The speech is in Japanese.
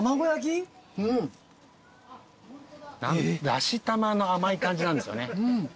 ・だしたまの甘い感じなんですよね。